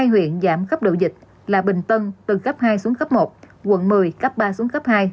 hai huyện giảm cấp độ dịch là bình tân từ cấp hai xuống cấp một quận một mươi cấp ba xuống cấp hai